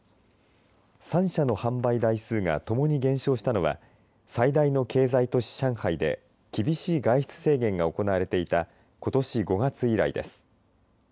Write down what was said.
３社の販売台数がともに減少したのは最大の経済都市、上海で厳しい外出制限が行われていたことし５月以来です。